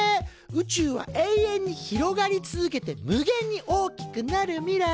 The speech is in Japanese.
宇宙は永遠に広がり続けて無限に大きくなる未来。